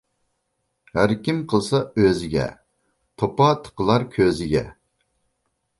ھەركىم قىلسا ئۆزىگە، توپا تىقىلار كۆزىگە.